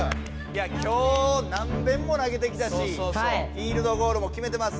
今日何べんも投げてきたしフィールドゴールも決めてます。